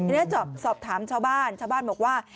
แล้วสอบถามชาวบ้านชาวบ้านบอกว่า